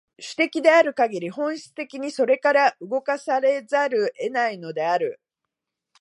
種的であるかぎり、本質的にそれから動かされざるを得ないのである。